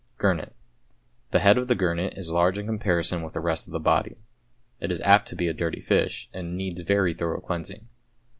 =Gurnet.= The head of the gurnet is large in comparison with the rest of the body. It is apt to be a dirty fish, and needs very thorough cleansing.